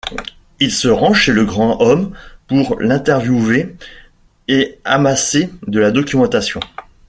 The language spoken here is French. Il se rend chez le grand homme pour l'interviewer et amasser de la documentation.